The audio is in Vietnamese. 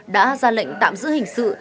đã ra lệnh tạm giữ hình sự